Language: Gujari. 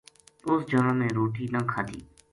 اُس جنا نے روٹی نہ کھادی